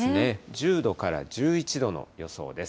１０度から１１度の予想です。